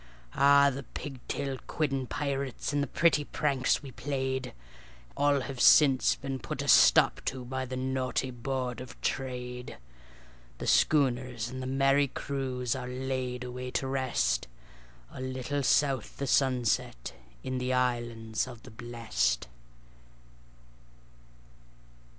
Ah! the pig tailed, quidding pirates and the pretty pranks we played, All have since been put a stop to by the naughty Board of Trade; The schooners and the merry crews are laid away to rest, A little south the sunset in the Islands of the Blest.